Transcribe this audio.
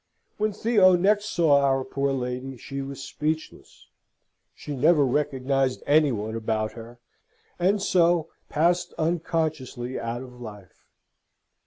When Theo next saw our poor lady, she was speechless; she never recognised any one about her, and so passed unconsciously out of life.